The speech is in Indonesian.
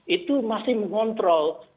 itu masih mengontrol